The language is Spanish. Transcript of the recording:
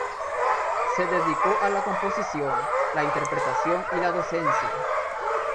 Se dedicó a la composición, la interpretación y la docencia.